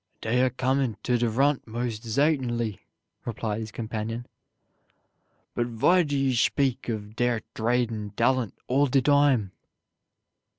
"Dey are coming to de vront, most zairtainly," replied his companion; "but vy do you shpeak of deir drading dalent all de time?"